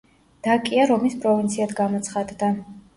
დაკია რომის პროვინციად გამოცხადდა.